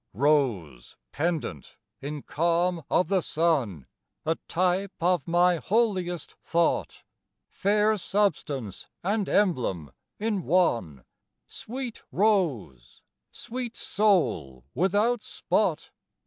Rose pendent in calm of the sun, (A type of my holiest thought) Fair substance and emblem in one, Sweet rose sweet soul without spot!